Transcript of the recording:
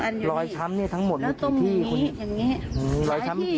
อยู่นี้รอยช้ำเนี้ยทั้งหมดแล้วตรงนี้อย่างเงี้ยหายที่